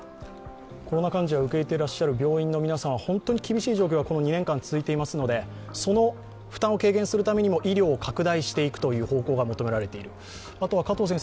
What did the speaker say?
コロナ患者を受け入れていらっしゃる病院はこの２年間続いておりますのでその負担を軽減するためにも医療を拡大していくという方向が求められている。